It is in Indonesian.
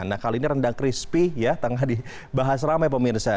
nah kali ini rendang crispy ya bahas ramai pemirsa